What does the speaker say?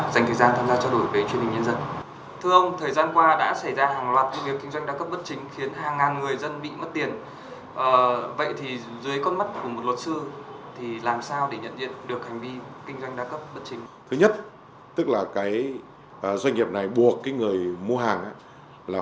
xin cảm ơn luật sư đã dành thời gian tham gia trao đổi với truyền hình nhân dân